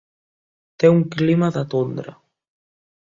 Té un clima de tundra.